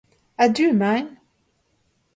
A-du emaint.